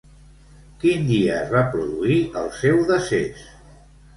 Quin dia es va produir el seu decés?